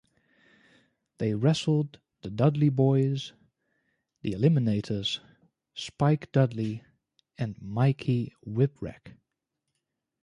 They wrestled The Dudley Boyz, The Eliminators, Spike Dudley, and Mikey Whipwreck.